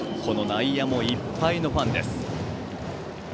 内野もいっぱいのファンです。